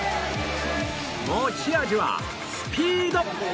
持ち味はスピード。